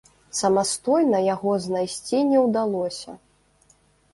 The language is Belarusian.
Самастойна яго знайсці не ўдалося.